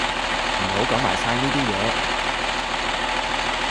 唔好講埋晒呢啲嘢